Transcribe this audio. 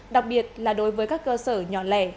đặc biệt là đối với các cơ sở nhỏ lẻ